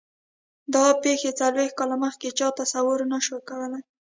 دا پېښې څلوېښت کاله مخکې چا تصور نه شو کولای.